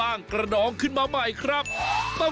วันนี้พาลงใต้สุดไปดูวิธีของชาวเล่น